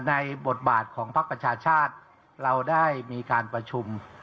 บทบาทของพักประชาชาติเราได้มีการประชุม